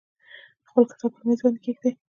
خپل کتاب پر میز باندې کیږدئ.